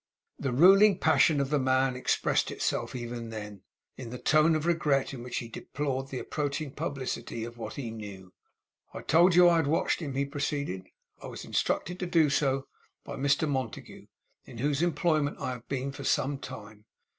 The ruling passion of the man expressed itself even then, in the tone of regret in which he deplored the approaching publicity of what he knew. 'I told you I had watched him,' he proceeded. 'I was instructed to do so by Mr Montague, in whose employment I have been for some time.